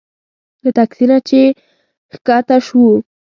له تکسي نه چې ښکته شوو.